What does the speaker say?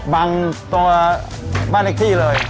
บังตรงบ้านอีกที่เลย